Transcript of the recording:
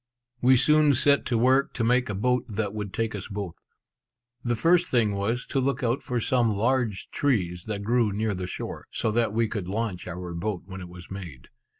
We soon set to work to make a boat that would take us both. The first thing was to look out for some large trees that grew near the shore, so that we could launch our boat when it was made.